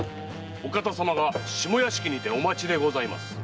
お方様が下屋敷にてお待ちです。